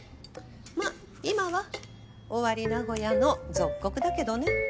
まあ今は尾張名古屋の属国だけどね。